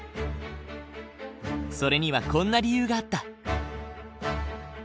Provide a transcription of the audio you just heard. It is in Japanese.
それにはこんな理由があった。